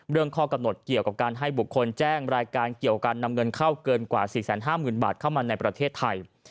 ข้อกำหนดเกี่ยวกับการให้บุคคลแจ้งรายการเกี่ยวกับการนำเงินเข้าเกินกว่า๔๕๐๐๐บาทเข้ามาในประเทศไทย